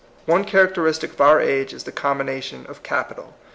One char acteristic of our age is the combination of capital.